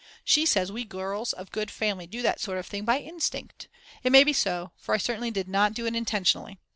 She says we girls of good family do that sort of thing by instinct. It may be so, for I certainly did not do it intentionally.